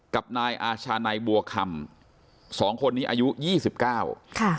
กับนายอาชานายบัวคำสองคนนี้อายุยี่สิบเก้าค่ะ